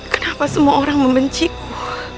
kenapa semua orang membenciku